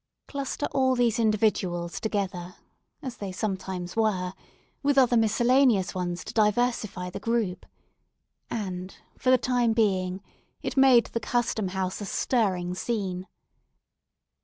Cluster all these individuals together, as they sometimes were, with other miscellaneous ones to diversify the group, and, for the time being, it made the Custom House a stirring scene.